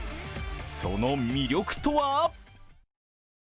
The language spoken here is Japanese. その魅力とは？